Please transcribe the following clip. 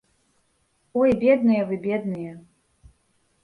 Ой, бедныя вы, бедныя.